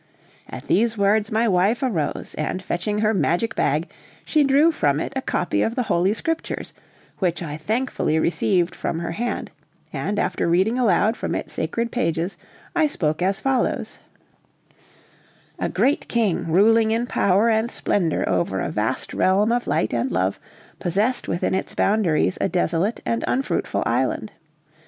At these words my wife arose, and fetching her magic bag, she drew from it a copy of the Holy Scriptures, which I thankfully received from her hand; and, after reading aloud from its sacred pages, I spoke as follows: "A Great King, ruling in power and splendor over a vast realm of light and love, possessed within its boundaries a desolate and unfruitful island.